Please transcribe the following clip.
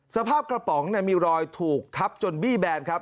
สภาพกระป๋องมีรอยถูกทับจนบี้แบนครับ